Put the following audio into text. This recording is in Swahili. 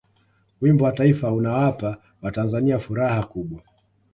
wimbo wa taifa unawapa watanzania furaha kubwa